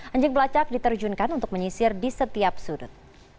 anjing belacak diterjunkan untuk menyisir di setiap sudut